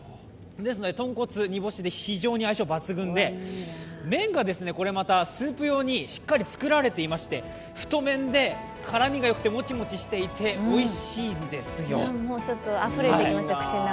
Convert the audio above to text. ですので豚骨、煮干しで非常に相性抜群で麺がこれまたスープ用にしっかり作られていまして太麺で絡みがよくてモチモチしてておいしいんですよ。